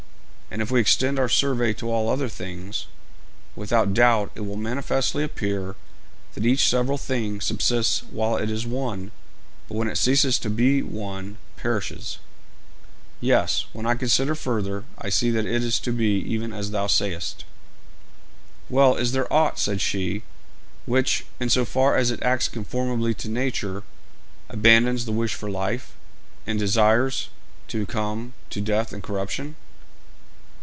And if we extend our survey to all other things, without doubt it will manifestly appear that each several thing subsists while it is one, but when it ceases to be one perishes.' 'Yes; when I consider further, I see it to be even as thou sayest.' 'Well, is there aught,' said she, 'which, in so far as it acts conformably to nature, abandons the wish for life, and desires to come to death and corruption?'